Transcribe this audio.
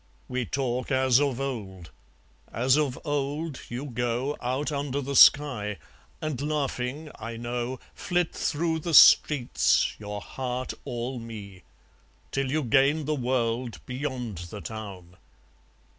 We talk as of old; as of old you go Out under the sky, and laughing, I know, Flit through the streets, your heart all me; Till you gain the world beyond the town.